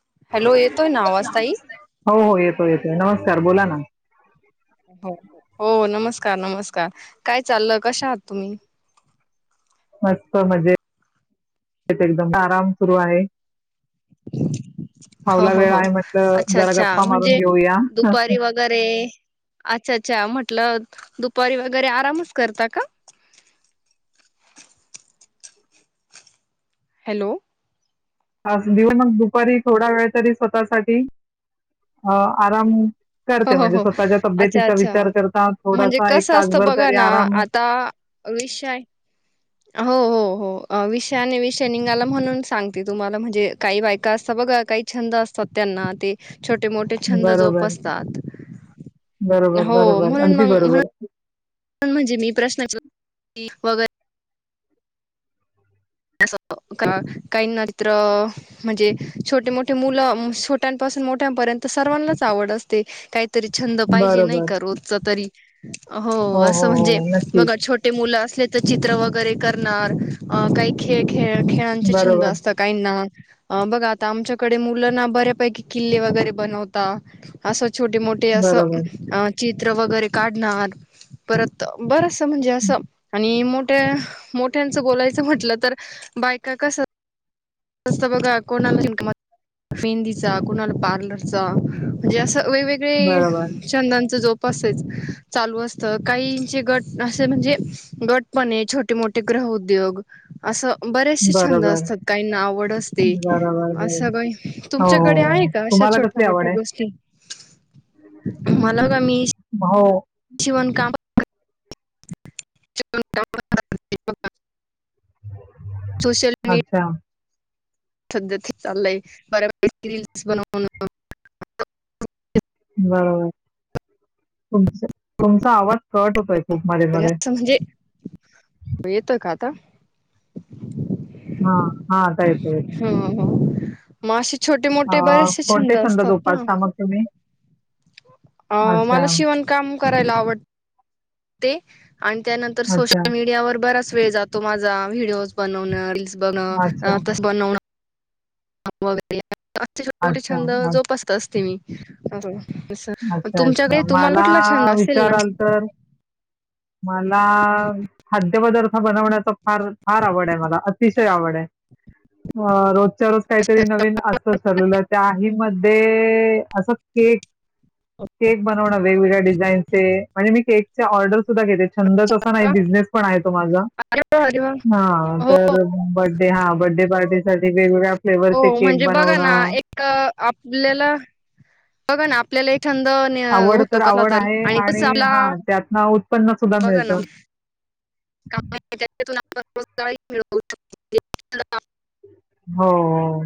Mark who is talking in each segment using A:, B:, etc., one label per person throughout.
A: [unintelligible]
B: Hello येतोय ना आवाज ताई?
A: हो हो, येतो येतोय नमस्कार! बोला ना.
B: हो हो, नमस्कार नमस्कार! काय चालल कशा आहात तुम्ही?
A: [inaudible] मस्त! मजेत एकदम आराम सुरू आहे.
B: हो
A: फावला
B: हो
A: वेळ
B: हो
A: आहे म्हटलं,
B: अच्छा
A: जरा
B: अच्छा
A: गप्पा मारून
B: म्हणजे
A: घेऊया.
B: दुपारी वगैरे अच्छा अच्छा! म्हटलं दुपारी वगैरे आरामच करता का?
A: [inaudible]
B: हॅलो!
A: आज देवू मग दुपारी थोडा वेळ तरी स्वतःसाठी अ- आराम
B: हो
A: करते
B: हो
A: म्हणजे,
B: हो
A: स्वतःच्या
B: अच्छा
A: तब्येतीचा
B: अच्छा
A: विचार करता
B: म्हणजे
A: थोडासा एक तासभर तरी आराम
B: अ विषाय
A: [inaudible]
B: हो हो हो, विषयाने विषय निघाला म्हणून सांगते तुम्हाला म्हणजे काही बायका असतं बघा का काही छंद असतात, त्यांना ते छोटे मोठे छंद
A: बरोबर
B: जोपसतात
A: बरोबर
B: हो,
A: बरोबर
B: म्हणून
A: अगदी
B: मग म्हणून
A: बरोबर
B: पण म्हणजे मी प्रश्न वगैरे [unintelligible] [unintelligible] काही नत्र म्हणजे छोटे मोठे मुलं छोट्यांपासून मोठ्यांपर्यंत सर्वांनाच आवड असते, काहीतरी छंद पाहिजे नाही
A: बरोबर
B: काही तरी. हो, असं म्हणजे बघा छोटे मुलं अस तर चित्र वगैरे करणार काही खेळ खेळ खेळांचे छंद
A: बरोबर
B: असत काही ना. बघा आता आमच्याकडे मुलंना बऱ्यापैकी किल्ले वगैरे बनवता अस छोटे मोठे
A: बरोबर
B: असं चित्र वगैरे काढणार, परत बरचं म्हणजे, असं आणि मोठ्या मोठ्यांचं बोलायचं म्हटलं तर बायका कसं असत बघा कोणाला मेंदीचा, कोणाला पार्लरचा म्हणजे असं वेगवेगळे
A: बरोबर
B: छंदांच जोप चालू असत काहीचे गट असे म्हणजे, गटपणे छोटे मोठे ग्र उद्योग असे बरेचसे
A: बरोबर
B: छन्द
A: बरोबर
B: असतात काहींना [unintelligible]
A: बरोबर ब
B: असं काही तुमच्याकडे आहे
A: हो-
B: का अशा
A: तुम्हाला
B: छोट्या
A: कसली आवड
B: मोठ्या
A: आहे? [inaudible]
B: गोष्टी मला का? मी-
A: हो
B: शिवण काम. [unintelligible] सोशल मी
A: अच्छा
B: सध्या ते चाललंय. बऱ्या पैकी रील्स बनवण.
A: बरोबर. तुमच -तुमचा आवाज- कट होतोय खूप मध्येे
B: वगैरे
A: मध्ये.
B: असं म्हणजे येतं का आता?
A: हा हा. आता येतोय.
B: म असेे छोटे
A: अ,
B: मोठे बरेचसे छंद
A: कोणते
B: असतात ना?
A: जोपासता मग तुम्ही?
B: अ
A: अच्छा,
B: मला शिवणकाम करायला आवड ते. आणि त्यानंतर
A: अच्छा,
B: सोशल मीडियावर बराच वेळ जातो माझा व्हिडिओज- बनवन, रील्स बन
A: अच्छा,
B: तसं बनवन- वगैरे असे छोटे मोठे
A: अच्छा,
B: छंद
A: अच्छा,
B: जोपासत असते मी. अस-
A: अच्छा अच्छा. मला
B: छंद असेल ना
A: विचाराल तर- मला खाद्यपदार्थ बनवण्याचा- फार- फार आवड आहे मला, अतिशय आवड आहे. अ दररोज काहीतरी नवीन असतच ठरलेलं. त्याही मध्ये असं केक- केक बनवणं वेगवेगळ्या डिझाईन चे. म्हणजे मी केकच्या ऑर्डर- सुध्दा घेते, छंदच असा नाही बिझनेस पण आहे तो माझा,
B: अरे वा अरे वा
A: हा
B: हो
A: तर बर्थ डे - हा बर्थ डे पार्टी साठी वेगवेगळ्या
B: हो
A: फ्लेवरचे केक
B: म्हणजे बघा ना
A: बनवणं, -
B: एक आपल्याला बघा ना आपल्यालाही छंद होतो
A: तर
B: कसला
A: आवड
B: तरी
A: आहे
B: आणि तोच आपला-
A: हां, त्यातनं उत्पन्न सुद्धा
B: बघा ना
A: मिळतं.
B: का [unintelligible] [unintelligible]
A: हो.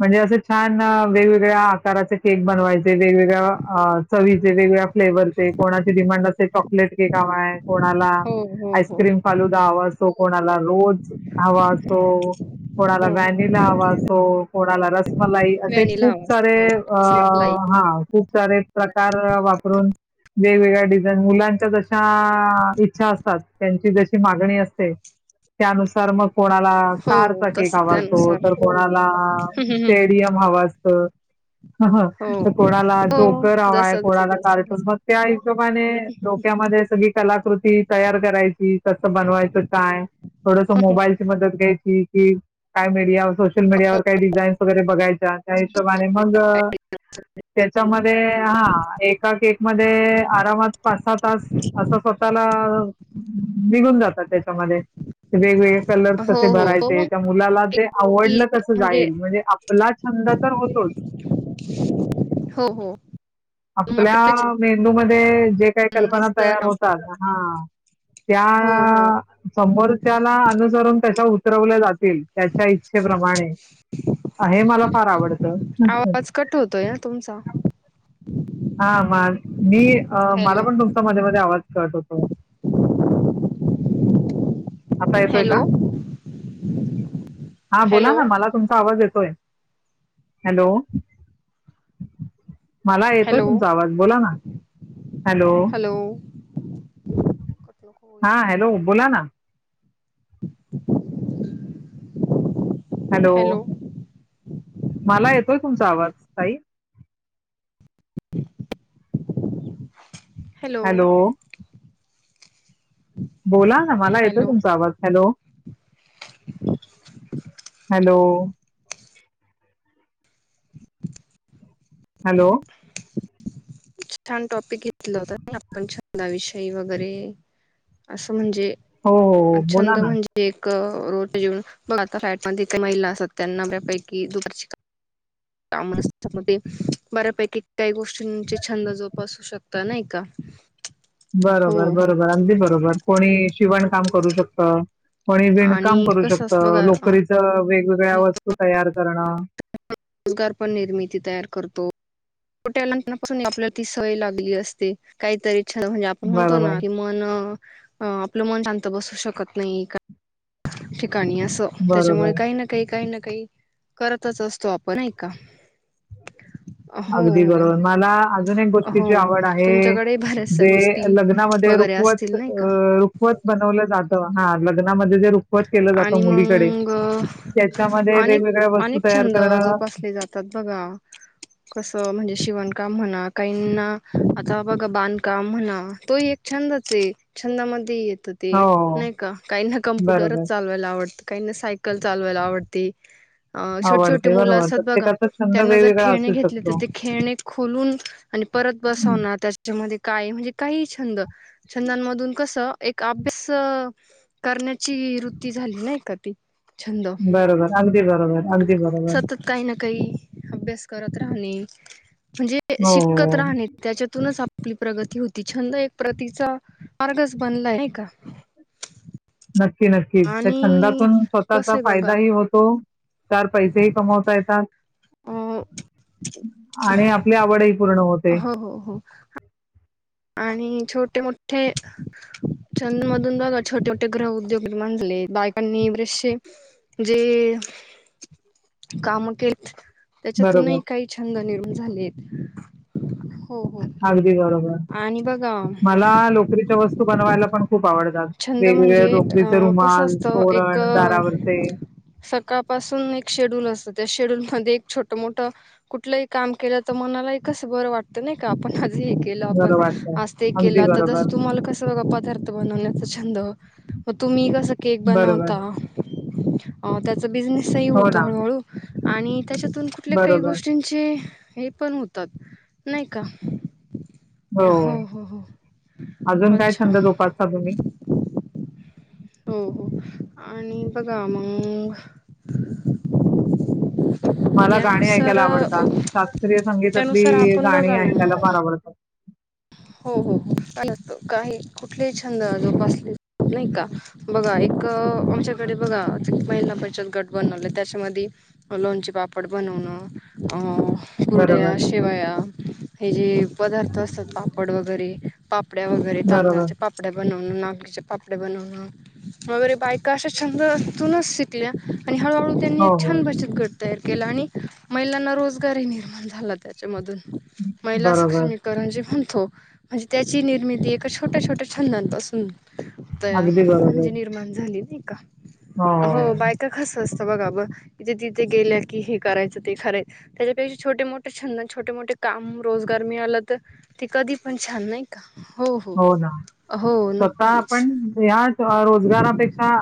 A: म्हणजे असं छान वेगवेगळ्या आकाराचे केक बनवायचे. वेगवेगळ्या चवीचे वेगवेगळ्या- फ्लेवरचे, कोणाची डिमांड असते चॉकलेट केक हवाय, कोणाला-
B: हो हो हो
A: आईस्क्रीम फालूदा हवा असतो, कोणाला रोझ हवा असतो. कोणाला
B: हो हो
A: व्हॅनिला हवा असो, कोणाला रसमलाई असे
B: व्हॅनिला
A: खूप
B: हवा
A: सारे अ-
B: असतो मला
A: हा खूप सारे प्रकार वापरून, - वेगवेगळ्या डिझाईन मुलांच्या जशा इच्छा असतात. त्यांची जशी मागणी असते- त्यानुसार मग- कोणाला
B: हो
A: कारचा
B: तस
A: केक हवा असतो,
B: त्यानुसार
A: तर कोणाला
B: हम्म, हम्म, हम्म.
A: स्टेडियम हव असतं. ह ह.
B: हो
A: त कोणाला
B: हो
A: जोकर
B: जस
A: हवाय,
B: जस
A: कोणाला
B: जस
A: कार्टुन,
B: जस
A: मग त्या हिशोबाने डोक्या मध्ये सगळी कलाकृती तयार करायची, कसं बनवायचं काय? थोडसं मोबाईलची मदत घ्यायची कि काय मीडिया- सोशल मीडियावर काही डिझाईनस वगैरे बघायच्या त्या हिशोबाने मग- त्याच्यामध्ये हा. एका केकमध्ये आरामात पाच सहा तास असं- स्वःला निघून जातात त्याच्यामध्ये वेगवेगळे कलर
B: हो
A: कसे
B: हो
A: भराय
B: हो
A: चे त्या
B: मग
A: मुलाला
B: एक
A: ते
B: की
A: आवडलं कस जाईल? म्हणजे आपला छंद तर होतोच-
B: हो हो. मग
A: आपल्या
B: आपल्याला
A: मेंदूमध्ये जे काही
B: छान
A: कल्पना
B: दिसत
A: तयार
B: ना
A: होतात. हा.
B: हो हो
A: त्या- समोरच्याला अनुसरुण कशा उ उतरवल्या जातील त्याच्या इच्छेप्रमाणे, हे मला फार आवडतं.
B: आवाज कट होतोय हं तुमचा.
A: हा म मी मला
B: हॅलो
A: पण तुमचा मध्ये मध्ये आवाज कट होतो. आता येतोय का?
B: हॅलो
A: हा बोला
B: हॅलो
A: ना. मला तुमचा आवाज ये होय, हॅलो! मला ये येतोय
B: हॅलो
A: तुमचा आवाज बोला ना, हॅलो!
B: हॅलो कट नको होऊ
A: हा,
B: यार फोन.
A: हॅलो! बोला ना. हॅलो! मला येतोय तुमचा आवाज ताई.
B: [unintelligible]
A: हॅलो! बोला ना, मला येतोय
B: हॅलो
A: तुमचा आवाज हॅलो! हॅलो! हॅलो!
B: छान! टॉपिक घेतला होता ना, आपण छंद विषय वगैरे असं म्हणजे
A: हो हो बोला
B: छंद
A: ना
B: म्हणजे रोज घेऊ आता फ्लॅट मध्ये महिला असतात त्यांना बऱ्यापैकी दुपारची काम नसतात, म ते बऱ्यापैकी काही गोष्टींची छंद जोपासू शकता नाही का? हो
A: बरोबर
B: हो
A: बरोबर अगदी बरोबर कोणी शिवण काम करू शकत. कोणी विणकाम
B: आणि
A: करू
B: कसं
A: शकत,
B: असतं
A: लोकरीच वेगवेगळ्या वस्तू तयार करणं
B: रोजगार पण निर्मिती तयार करतो? लहानपणापासून आपल्याला तीच सवय लागली असते, काहीतरी अच्छा! म्हणजे आपण म्हणतो
A: बरोबर
B: ना, कि मन अ आपलं मन शांत बसू शकत नाही. [unintelligible] काही असो त्याच्यामुळे
A: बरोबर
B: काही ना काही काही ना काही करतच असतो आपण नाही का? हो
A: अगदी बरोबर मला अजून एक
B: हो हो
A: गोष्टीची आवड आहे
B: तुमच्याकडे बऱ्याचशा
A: जे
B: गोष्टी
A: लग्नामध्ये ते
B: वगैरे
A: रुखवत
B: असतील
A: अ
B: नाही का
A: रुखवत बनवल जात हा लग्नामध्ये लग्नामध्ये जे रुखवत केलं जात,
B: आणि
A: मुलीकडे
B: मग
A: त्याच्यामध्ये वेगवेगळ्या वस्तू तयार करणं
B: हे जातात बघा कस म्हणजे [unintelligible] विणकाम म्हणा कहीना बांधकाम म्हणा तो एक छंदच आहे. [unintelligible] मध्ये येत ते
A: हो,
B: नाही का, काहींना कॅम्पुटर
A: बरोबर.
B: चालवायला आवडतं काहींना सायकलच सायकल चालवायला आवडती, अ छोटे छोटे
A: आवडते,
B: मुले
A: बरोबर.
B: असतात बघा
A: प्रत्येकाचा छंद
B: त्यांना जर
A: वेगवेगळा
B: खेळणे
A: असू
B: घेतले, तर
A: शकतो.
B: ते खेळणे खोलून आणि परत बसवणार त्याच्यामध्ये काय म्हणजे, काही छंद छंदांमधून कस एक अभ्यास करण्याचा ची रूती झाली नाही का ती? छंद
A: बरोबर अगदी बरोबर अगदी बरोबर.
B: सतत काही ना काही अभ्यास करत राहणे म्हणजे,
A: हो,
B: शिकत राहणे त्याच्यातूनच आपण आपली प्रगती होती, छंद एक प्रगतीचा मार्गच बनलाय नाही का?
A: नक्की नक्कीच त्या
B: आणि
A: छंदातून स्वतःचा
B: कसं आहे बघा
A: फायदा ही होतो. चार पैसेही कमावता येतात.
B: अ
A: आणि आपली आवडही पूर्ण होत
B: हो हो हो, आणि छोटे मोठे छंदमधून बघा छोटे छोटे गृह उद्योग निर्माण झाले, बायकांनी बरेचसे जे
A: [inaudible]
B: काम केलेत
A: बरोबर,
B: त्याच्यातूनही काही छंद निर्माण झालेत.
A: अगदी बरोबर
B: आणि बघा
A: मला लोकरीच्या वस्तू बनवायला पण खूप आवडत.
B: छंद
A: वेगवेगळ्या
B: म्हणजे अ
A: लोकरीचे
B: कसं
A: रुमाल,
B: असतं एक
A: तोरण दारावरचे
B: सकाळपासून एक शेड्यूल असतं, त्या शेड्यूल मध्येह एक छोट मोठ कुठही काम केलं, तर मनालाही कसं बरं वाटत नाही का? आपण हे केल आपण
A: बरं वाटतं
B: आज ते केल,
A: अगदी
B: तस
A: बरोबर
B: तुम्हाला कस काही पदार्थ बनव छंद मग तुम्ही कस केक
A: बरोबर
B: बनवता त्याचा बिझनेसही
A: हो
B: होतो,
A: ना
B: हळूहळू आणि त्याच्यातून कुठल्या काही
A: बरोबर
B: गोष्टींची हे पण होतात, नाही का?
A: हो,
B: हो हो
A: अजून काय
B: अच्छा
A: छंद जोपासतात?
B: [unintelligible] हो हो. आणि बघा मग
A: मला गाणी
B: त्यानुसार
A: ऐकायला आवडतात शास्त्रीय संगीतातली
B: त्यानुसार आपण
A: गाणी
B: बघा ना
A: ऐकायला
B: मग
A: फार आवडतात
B: हो हो हो, काही कुठलेही छंद आ जोपासले नाही का? बघा एक आमच्याकडे बघा महिला पचत गट बनवले, त्याच्यामध्ये लोणचे पापड बनवलं अ
A: बरोबर
B: कुरडया, शेवया हे जे पदार्थ असतात, पापड वगैरे पापड्या वगैरे
A: बरोबर
B: तांदळाचे पापड्या बनवून नागणीचे पापड डे बनवणं वगैरे बायका अशा छंद अजूनच शिकल्या. आणि हळूहळू त्यांनी
A: हो
B: एक
A: हो
B: छान बचत गट तयार केला आणि, महिलांना रोजगारही निर्माण झाला त्याच्यामधून. महिला
A: बरोबर
B: सक्षमीकरण जे म्ह म्हणतो, म्हणजे त्याची निर्मिती एका छोट्या छोट्या छंदानपासून त
A: अगदी बरोबर
B: म्हणजे निर्माण झाली नाही का? हो. बायका कस अस बघा ब. जे जिथे गेल्या की हे करायचं ते करायच, त्याच्यापेक्षा छोटे मोठे छंद अन छोटे मोठे काम रोजगार मिळालं तर ते कधी पण छान नाही का?
A: हो ना.
B: हो
A: स्वतः
B: नक्कीच
A: आपण ह्या रोजगारापेक्षा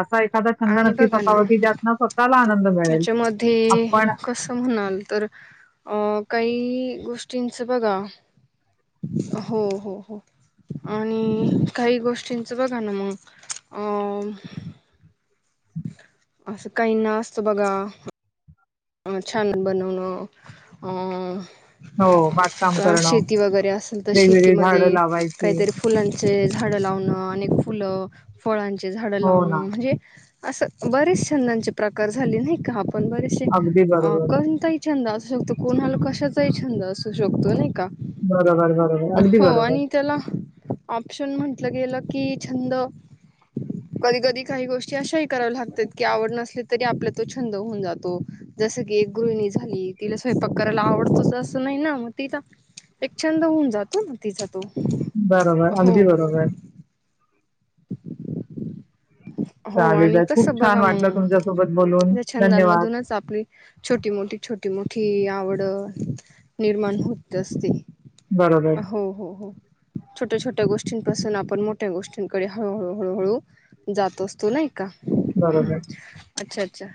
A: असा एखादा छंद
B: आणि
A: नक्कीच
B: बघा ना,
A: असावा की ज्यातनं स्वतःला आनंद मिळेल
B: याच्यामध्ये
A: आपण
B: कसं म्हणाल तर अ -काई गोष्टींच बघा, हो हो हो. आणि काही गोष्टींचं बघा ना मग, अ असं काही ना असत बघा छान बनवन अ
A: हो बागकाम
B: अ
A: करणं
B: -शेती वगैरे असेल तर
A: वेगवेगळी
B: शेतीमध्ये,
A: झाडं लावायची
B: काहीतरी फुलां चे झाड लावण, आणि फुलं. फळांचे झाड
A: हो
B: लावणं
A: ना
B: म्हणजे असं बरेच छंदांचे प्रकार झाले नाही का आपण बरेचसे
A: अगदी
B: अ-
A: बरोबर
B: पण काही छंद असू शकतो. कोणाला कशाचा छंद असू शकतो नाही का.
A: बरोबर बरोबर अगदी
B: हो
A: बरोबर
B: आणि त्याला ऑप्शन म्हटलं गेलं की छंद, कधी कधी काही गोष्टी अशा ही कराव लागतात की आवड नसली तरी आपला तो छंद होऊन जातो. जस की एक गृहिणी झाली, तिला स्वयंपाक करायला आवडतोच असं नाही ना मग तिजा एक छंद होऊन जातो ना तिचा तो,
A: बरोबर
B: हो.
A: अगदी बरोबर
B: हो
A: चालेल
B: आणि कस
A: खूप छान
B: बघा मग.
A: वाटलं तुमच्यासोबत बोलून
B: त्या
A: धन्यवाद
B: छंदांमधूनच आपली छोटी मोटी छोटी मो टी आवड निर्माण होत असते.
A: बरोबर
B: हो हो हो. छोट्या छोट्या गोष्टींपासून आपण मोठ्या गोष्टींकडे हळूहळू हळूहळू जात असतो नई का?
A: बरोबर
B: हम्म अच्छा अच्छा.